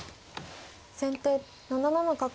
先手７七角。